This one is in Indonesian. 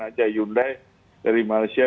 aja hyundai dari malaysia